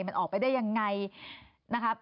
มันออกไปได้ยังไงนะครับ